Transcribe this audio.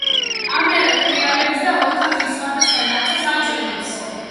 კამერა ტრიალებს და ოთახის სხვადასხვა ნაწილს აჩვენებს.